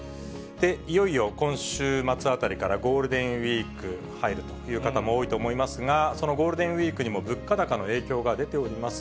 いよいよ今週末あたりから、ゴールデンウィーク入るという方も多いと思いますが、そのゴールデンウィークにも物価高の影響が出ております。